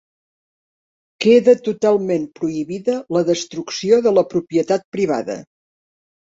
Queda totalment prohibida la destrucció de la propietat privada.